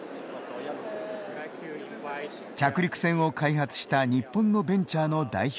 着陸船を開発した日本のベンチャーの代表